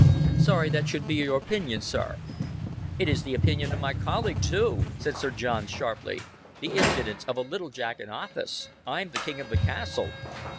"Sorry that should be your opinion, sir." "It is the opinion of my colleague too," said Sir John sharply. "The impudence of a little Jack in office. I'm the king of the castle."